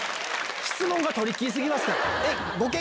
質問がトリッキー過ぎますから。